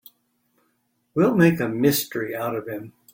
We'll make a mystery out of him.